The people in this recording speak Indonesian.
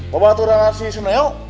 lo bantu dengan si suneyo